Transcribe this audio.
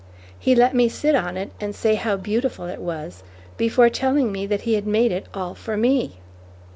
He let me sit on it and say how beautiful it was, before telling me that he had made it all for me.